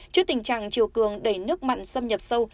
trước tình trạng chiều cường đẩy nước mặn xâm nhập sâu